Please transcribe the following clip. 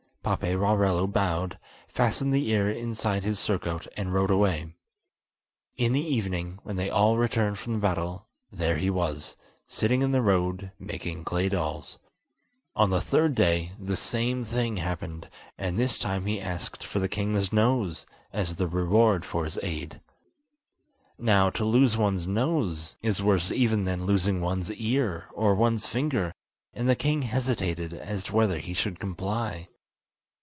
Paperarello bowed, fastened the ear inside his surcoat and rode away. In the evening, when they all returned from the battle, there he was, sitting in the road, making clay dolls. On the third day the same thing happened, and this time he asked for the king's nose as the reward of his aid. Now, to lose one's nose, is worse even than losing one's ear or one's finger, and the king hesitated as to whether he should comply.